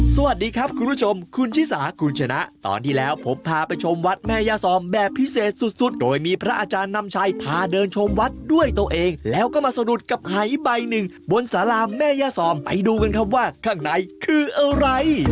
สวัสดีครับคุณผู้ชมคุณชิสาคุณชนะตอนที่แล้วผมพาไปชมวัดแม่ยาซอมแบบพิเศษสุดโดยมีพระอาจารย์นำชัยพาเดินชมวัดด้วยตัวเองแล้วก็มาสะดุดกับหายใบหนึ่งบนสารามแม่ย่าซอมไปดูกันครับว่าข้างในคืออะไร